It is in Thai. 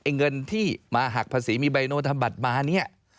เงินที่มาหักภาษีมีใบโนทำบัตรมาเนี่ย